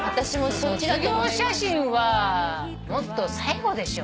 『卒業写真』はもっと最後でしょ。